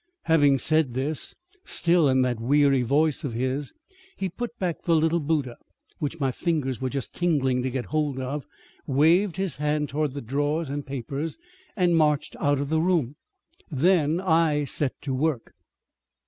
"Having said this (still in that weary voice of his), he put back the little Buddha, which my fingers were just tingling to get hold of, waved his hand toward the drawers and papers, and marched out of the room. Then I set to work."